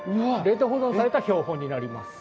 冷凍保存された標本になります。